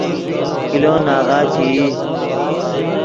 کلو ناغہ چے ای